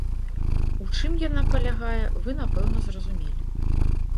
У чым яна палягае, вы, напэўна, зразумелі.